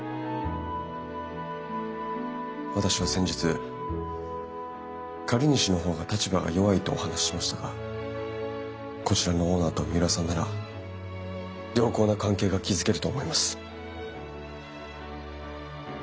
私は先日借り主の方が立場が弱いとお話ししましたがこちらのオーナーと三浦さんなら良好な関係が築けると思います。